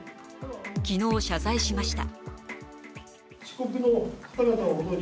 昨日、謝罪しました。